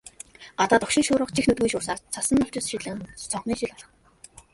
Гадаа догшин шуурга чих нүдгүй шуурсаар, цасан навчис шидлэн цонхны шил алгадна.